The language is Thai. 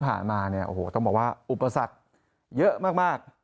มาเนี่ยโอ้โหต้องบอกว่าอุปสรรคเยอะมาก